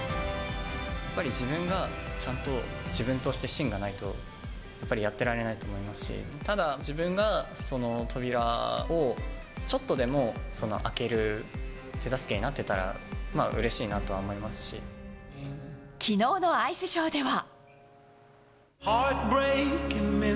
やっぱり自分がちゃんと自分としてしんがないと、やっぱりやってられないと思いますし、ただ、自分がその扉をちょっとでも開ける手助けになってたらうれしいなきのうのアイスショーでは。